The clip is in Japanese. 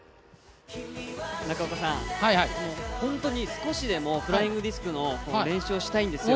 中岡さん、本当に少しでもフライングディスクの練習をしたいんですよ。